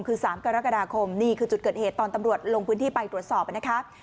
คือ๓กรกฎาคมนี่คือจุดเกิดเหตุตอนตำรวจลงพื้นที่ไปตรวจสอบนะครับ